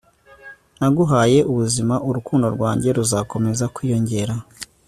naguhaye ubuzima, urukundo rwanjye ruzakomeza kwiyongera